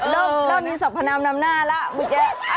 เริ่มมีสรรพนามนำหน้าแล้วเมื่อกี้